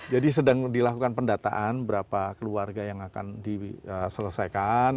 jadi sedang dilakukan pendataan berapa keluarga yang akan diselesaikan